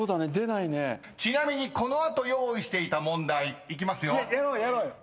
［ちなみにこの後用意していた問題いきますよ］